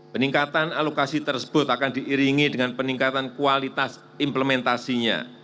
peningkatan alokasi tersebut akan diiringi dengan peningkatan kualitas implementasinya